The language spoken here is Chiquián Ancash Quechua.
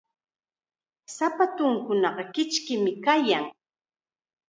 Sapatuukunaqa kichkim kayan.